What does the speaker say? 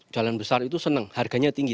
jalan besar itu senang harganya tinggi